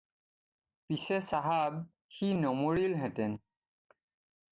পিছে চাহাব! সি নমৰিলহেঁতেন